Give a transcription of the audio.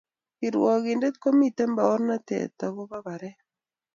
kirwakindet kimamiten baornatet ako ba baret